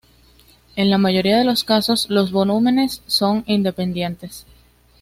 En la mayoría de los casos, los volúmenes son independientes.